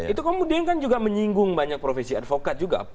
itu kemudian kan juga menyinggung banyak profesi advokat juga